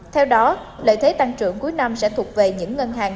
theo đó lợi thế tăng trưởng cuối năm sẽ thuộc về những ngân hàng